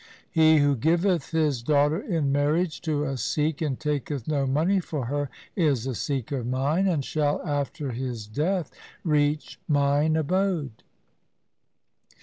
' He who giveth his daughter in marriage to a Sikh and taketh no money for her, is a Sikh of mine, and shall after his death reach mine abode.